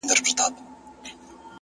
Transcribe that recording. د هدف وضاحت ژوند منظموي